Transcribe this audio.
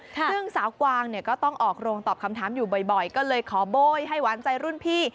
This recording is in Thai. ซึ่งสาวกวางเนี่ยก็ต้องออกโรงตอบคำถามอยู่บ่อยก็เลยขอโบ้ยให้หวานใจรุ่นพี่